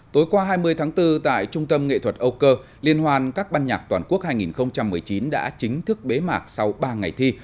tối qua hai mươi tháng bốn tại trung tâm nghệ thuật âu cơ liên hoan các ban nhạc toàn quốc hai nghìn một mươi chín đã chính thức bế mạc sau ba ngày thi